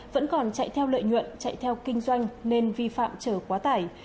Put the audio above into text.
vẫn còn chạy theo lợi nhuận chạy theo kinh doanh nên vi phạm chở quá tải